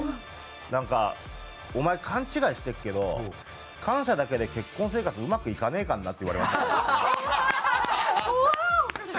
なんか「お前勘違いしてっけど感謝だけで結婚生活うまくいかねえかんな」って言われましたね。